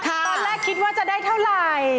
ตอนแรกคิดว่าจะได้เท่าไหร่